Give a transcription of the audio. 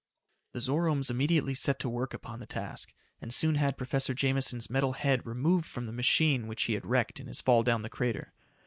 The Zoromes immediately set to work upon the task, and soon had Professor Jameson's metal head removed from the machine which he had wrecked in his fall down the crater.